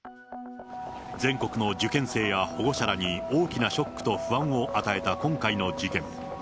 全国の受験生や保護者らに大きなショックと不安を与えた今回の事件。